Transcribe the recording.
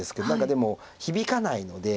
でも響かないので。